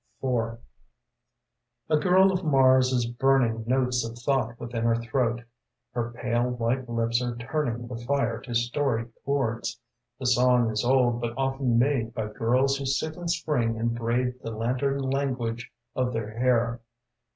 IV J\ GIRL of Mars is burning Notes of thought within her throat Her pale white lips are turning The fire to storied chords. The song is old but often made By girls who sit in Spring and braid The lanterned language of their hair.